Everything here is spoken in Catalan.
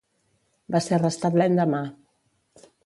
Va ser arrestat l'endemà.